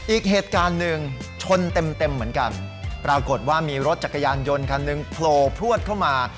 อีกเหตุการณ์หนึ่งชนเต็มเต็มเหมือนกันปรากฏว่ามีรถจักรยานยนต์คันหนึ่งโผล่พลวดเข้ามา